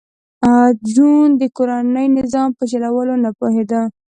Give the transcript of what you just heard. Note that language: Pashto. جون د کورني نظام په چلولو نه پوهېده